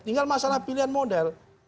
tinggal masalah pilihan model